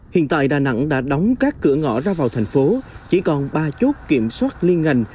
hiện tại đà nẵng đã đóng các cửa ngõ ra vào thành phố chỉ còn ba chốt kiểm soát liên ngành